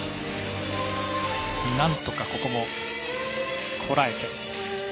なんとか、ここもこらえて。